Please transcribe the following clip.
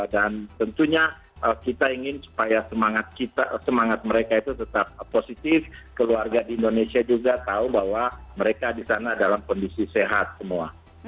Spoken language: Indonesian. dan tentunya kita ingin supaya semangat mereka itu tetap positif keluarga di indonesia juga tahu bahwa mereka di sana dalam kondisi sehat semua